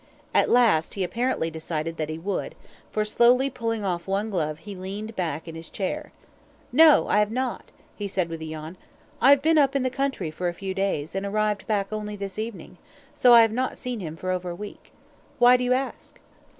At last he apparently decided that he would, for slowly pulling off one glove he leaned back in his chair. "No, I have not," he said with a yawn. "I have been up the country for a few days, and arrived back only this evening, so I have not seen him for over a week. Why do you ask?"